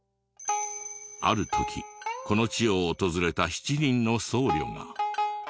ある時この地を訪れた７人の僧侶が。